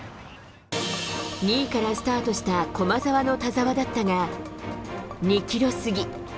２位からスタートした駒澤の田澤だったが、２キロ過ぎ。